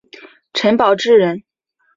陈宝炽人。